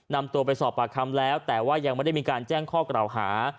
นำตัวไปสอบปากคำแล้วแต่ว่ายังไม่ได้มีการแจ้งข้อกล่าวหา